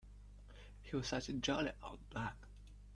He was such a jolly old bloke.